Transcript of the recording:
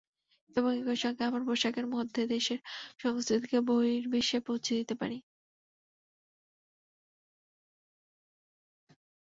এবং একই সঙ্গে আমার পোশাকের মধ্যে দেশের সংস্কৃতিকে বহির্বিশ্বে পৌঁছে দিতে।